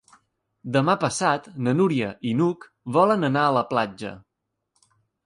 Demà passat na Núria i n'Hug volen anar a la platja.